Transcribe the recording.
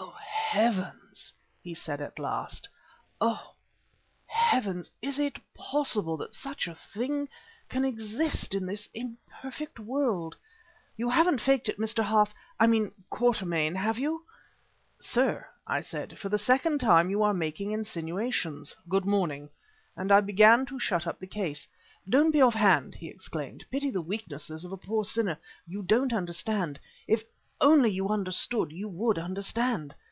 "Oh! Heavens," he said at last, "oh! Heavens, is it possible that such a thing can exist in this imperfect world? You haven't faked it, Mr. Half I mean Quatermain, have you?" "Sir," I said, "for the second time you are making insinuations. Good morning," and I began to shut up the case. "Don't be offhanded," he exclaimed. "Pity the weaknesses of a poor sinner. You don't understand. If only you understood, you would understand."